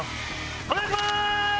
お願いしまーす！